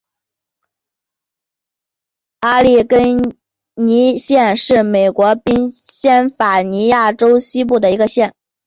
阿利根尼县是美国宾夕法尼亚州西部的一个县。